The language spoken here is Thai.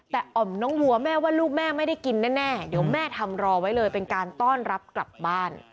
แต่อ่อมน้องวัวแม่ว่าลูกแม่ไม่ได้กินแน่เดี๋ยวแม่ทำรอไว้เลยเป็นการต้อนรับกลับบ้าน